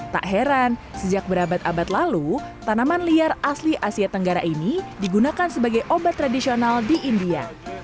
tak heran sejak berabad abad lalu tanaman liar asli asia tenggara ini digunakan sebagai obat tradisional di india